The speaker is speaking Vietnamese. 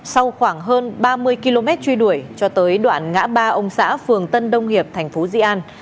sau khoảng hơn ba mươi km truy đuổi cho tới đoạn ngã ba ông xã phường tân đông hiệp thành phố di an